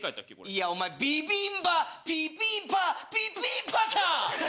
いやお前ビビンバピビンパピピンパか！